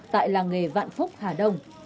tại làng nghề vạn phúc hà đông